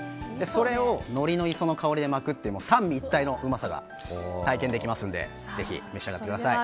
それをのりの磯の香りで巻くという三位一体のおいしさが体験できますので召し上がってください。